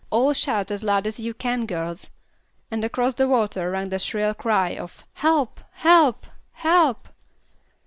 "All shout as loud as you can, girls;" and across the water rang the shrill cry of "Help! Help! Help!"